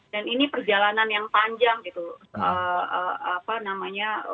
dan ini perjalanan yang panjang gitu